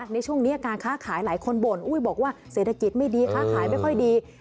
ในช่วงนี้การค้าขายหลายคนบ่นอุ้ยบอกว่าเศรษฐกิจไม่ดีค้าขายไม่ค่อยดี